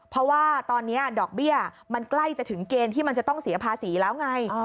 เพราะว่าตอนนี้ดอกเบี้ยมันใกล้จะถึงเกณฑ์ที่มันจะต้องเสียภาษีแล้วไง